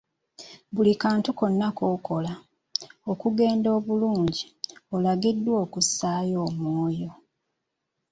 Buli kantu konna k'okola, okugenda obulungi, olagiddwa okukassayo omwoyo.